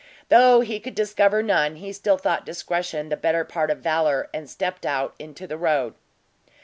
Though he could discover none, he still thought discretion the better part of valor, and stepped out into the road.